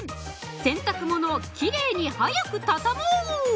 洗濯物をきれいにはやくたたもう。